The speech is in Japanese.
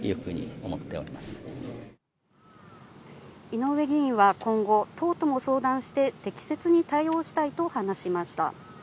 井上議員は今後、党も相談して、適切に対応したいと話しました。